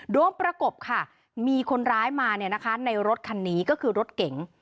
ประกบค่ะมีคนร้ายมาในรถคันนี้ก็คือรถเก๋ง